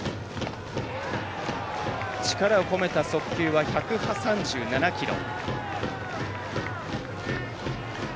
力を込めた速球は１３７キロ。